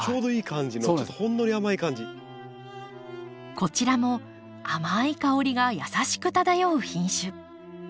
こちらも甘い香りが優しく漂う品種。